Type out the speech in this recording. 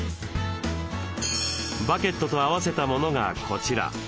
バケットと合わせたものがこちら。